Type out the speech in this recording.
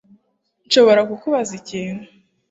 Nshobora kukubaza ikintu